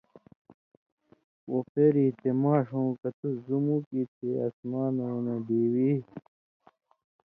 وو پېریۡ یی تے ماݜؤں! کہ تُس زُمُک یی تے اسمانؤں نہ ڈیوی